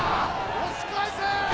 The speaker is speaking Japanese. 押し返せ！